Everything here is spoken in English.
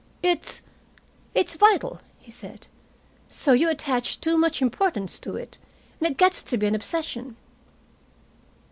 "It's it's vital," he said. "So you attach too much importance to it, and it gets to be an obsession."